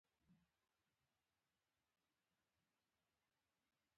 وه يې وژل، وه يې رټل او د سپکاوي هڅې يې شروع کړې.